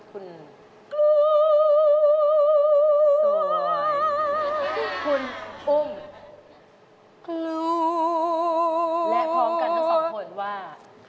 และพร้อมกันทั้งสองคนว่า